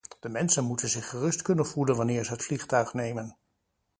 De mensen moeten zich gerust kunnen voelen wanneer ze het vliegtuig nemen.